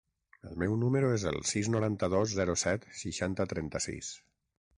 El meu número es el sis, noranta-dos, zero, set, seixanta, trenta-sis.